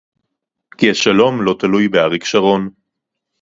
כי השלום לא תלוי באריק שרון